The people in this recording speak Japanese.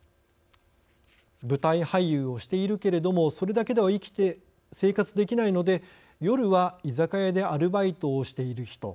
舞台俳優をしているけれどもそれだけでは生活できないので夜は居酒屋でアルバイトをしている人。